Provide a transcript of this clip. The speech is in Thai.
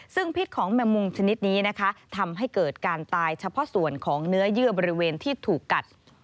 ซึ่งพิษของแมงมุงชนิดนี้นะคะทำให้เกิดการตายเฉพาะส่วนของเนื้อเยื่อบริเวณที่ถูกกัด